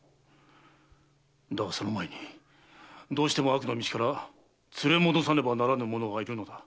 だがその前にどうしても悪の道から連れ戻さねばならぬ者がいる。